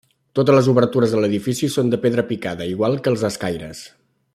Totes les obertures de l'edifici són de pedra picada, igual que els escaires.